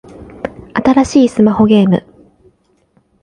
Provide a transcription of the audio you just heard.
新しいスマホゲーム